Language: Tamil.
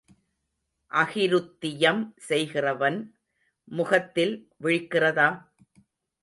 அகிருத்தியம் செய்கிறவன் முகத்தில் விழிக்கிறதா?